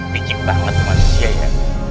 dicik banget ke manusia ya